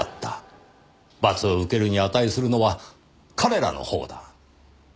罰を受けるに値するのは彼らのほうだ。